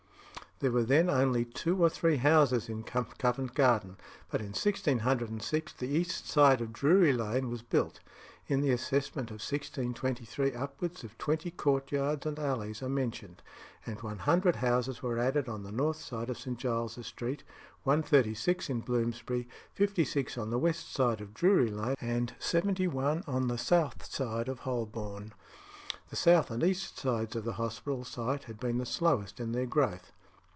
There were then only two or three houses in Covent Garden, but in 1606 the east side of Drury Lane was built; in the assessment of 1623 upwards of twenty courtyards and alleys are mentioned; and 100 houses were added on the north side of St. Giles's Street, 136 in Bloomsbury, 56 on the west side of Drury Lane, and 71 on the south side of Holborn. The south and east sides of the hospital site had been the slowest in their growth.